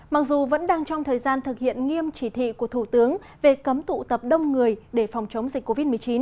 mặc dù vẫn đang trong thời gian thực hiện nghiêm chỉ thị của thủ tướng về cấm tụ tập đông người để phòng chống dịch covid một mươi chín